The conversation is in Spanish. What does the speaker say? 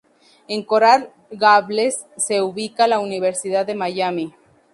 En Coral Gables se ubica la Universidad de Miami.